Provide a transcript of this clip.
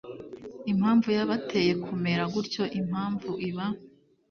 impamvu yabateye kumera gutyo. Impamvu iba